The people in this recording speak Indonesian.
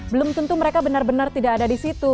belum tentu mereka benar benar tidak ada di situ